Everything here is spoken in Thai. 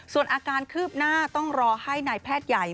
ส่วนอาการคืบหน้าต้องรอให้นายแพทย์ใหญ่